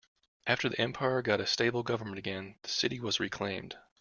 After the empire got a stable government again, the city was reclaimed.